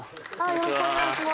よろしくお願いします